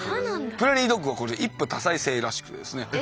プレーリードックは一夫多妻制らしくてですね